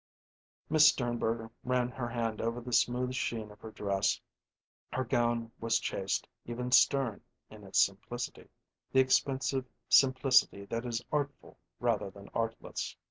Miss Sternberger ran her hand over the smooth sheen of her dress; her gown was chaste, even stern, in its simplicity the expensive simplicity that is artful rather than artless.